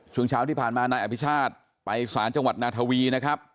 ช่วงเช้าที่ผ่านมานายอภิชาติไปสารจังหวัดนาทวีนะครับ